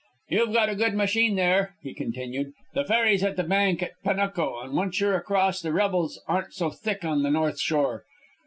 "You've got a good machine there," he continued. "The ferry's at the bank at Panuco, and once you're across, the rebels aren't so thick on the north shore.